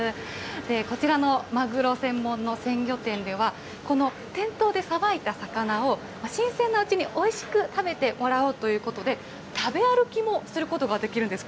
こちらのマグロ専門の鮮魚店では、この店頭でさばいた魚を、新鮮なうちにおいしく食べてもらおうということで、食べ歩きもすることができるんです。